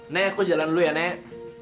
nek aku jalan dulu ya nek